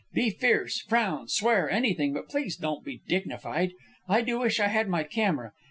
Be fierce, frown, swear, anything, but please don't be dignified. I do wish I had my camera.